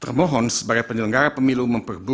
termohon sebagai penyelenggara pemilu